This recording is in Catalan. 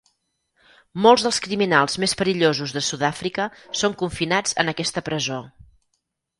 Molts dels criminals més perillosos de Sud-àfrica són confinats en aquesta presó.